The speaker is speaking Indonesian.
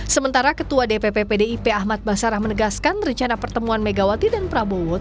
sementara ketua dpp pdip ahmad basarah menegaskan rencana pertemuan megawati dan prabowo